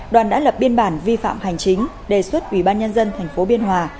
đoàn đã lập biên bản vi phạm hành chính đề xuất ủy ban nhân dân thành phố biên hòa